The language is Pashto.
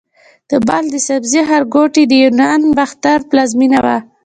د بلخ د سبزې ښارګوټي د یوناني باختر پلازمېنه وه